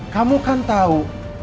kamu kan tau